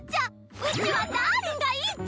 うちはダーリンがいいっちゃ！